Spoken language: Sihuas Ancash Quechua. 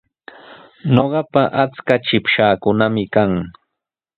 Ñuqapa achka chikpashaakunami kan.